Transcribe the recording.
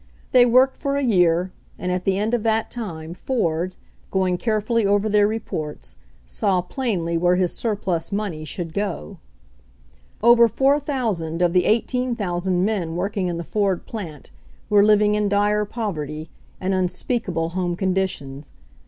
They worked for a year, and at the end of that time Ford, going carefully over their reports, saw plainly where his surplus money should go. Over 4,000 of the 18,000 men working in the Ford plant were living 1 in dire poverty, in un speakable home conditions.